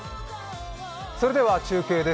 それでは中継です。